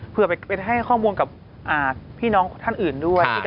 เพื่อไปให้ข้อมูลกับพี่น้องท่านอื่นด้วย